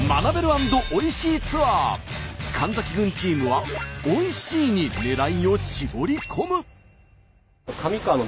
神崎郡チームは「おいしい」に狙いを絞り込む。